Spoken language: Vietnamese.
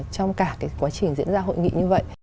trong cả cái quá trình diễn ra hội nghị như vậy